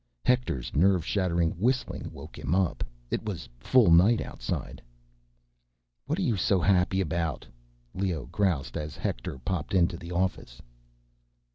Hector's nerve shattering whistling woke him up. It was full night outside. "What are you so happy about?" Leoh groused as Hector popped into the office.